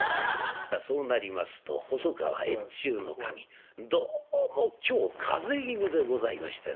さあそうなりますと細川越中守どうも今日風邪気味でございましてね。